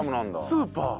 スーパー。